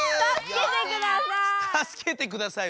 「助けてください」